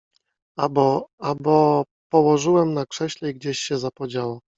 — A bo… a bo… położyłem na krześle i gdzieś się zapodziało.